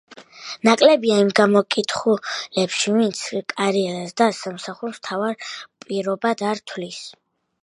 ნაკლება იმ გამოკითხულებში, ვინც კარიერას და სამსახურს მთავარ პირობად არ თვლის.